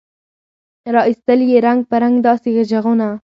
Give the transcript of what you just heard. را ایستل یې رنګ په رنګ داسي ږغونه